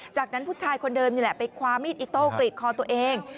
จากนั้นผู้ชายคนเดิมนี่แหละไปคว้ามีดอิโต้กรีดคอตัวเอง